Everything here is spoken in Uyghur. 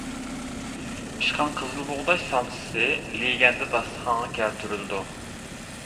پىشقان قىزىلبۇغداش سامسىسى لېگەندە داستىخانغا كەلتۈرۈلىدۇ.